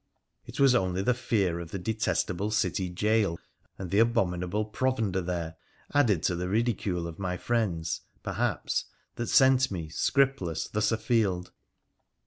It was only the fear of the detestable city jail and the abominable provender there, added to the ridicule of my friends, perhaps, that sent me, scripless, thus afield.